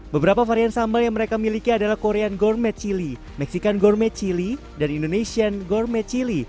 beberapa varian sambal yang mereka miliki adalah korean gourmet chili mexican gourmet chili dan indonesian gourmet chili